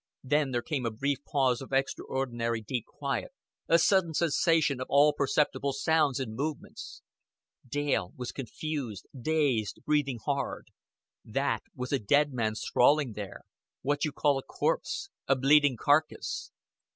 Then there came a brief pause of extraordinary deep quiet, a sudden cessation of all perceptible sounds and movements. Dale was confused, dazed, breathing hard. That was a dead man sprawling there what you call a corpse, a bleeding carcass.